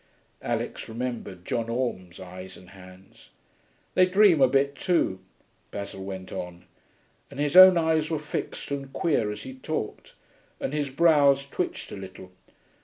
Alix remembered John Orme's eyes and hands. 'They dream a bit, too,' Basil went on, and his own eyes were fixed and queer as he talked, and his brows twitched a little.